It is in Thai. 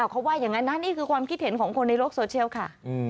เขาว่าอย่างนั้นนะนี่คือความคิดเห็นของคนในโลกโซเชียลค่ะ